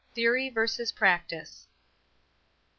THEORY VERSUS PRACTICE. DR.